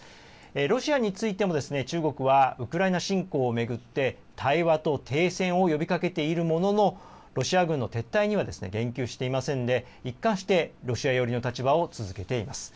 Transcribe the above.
ロシアについても中国はウクライナ侵攻を巡って対話と停戦を呼びかけているもののロシア軍の撤退には言及していませんで一貫してロシア寄りの立場を続けています。